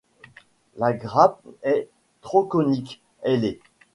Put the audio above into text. La grappe est tronconique, ailée.